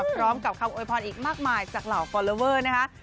พร้อมกับคำโวยพรอีกมากมายจากเหล่าฟอลลอเวอร์นะคะ